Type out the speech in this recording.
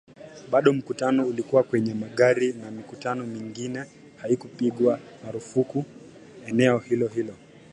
bado mkutano ulikuwa kwenye magari na mikutano mingine haikupigwa marufuku katika eneo hilo hilo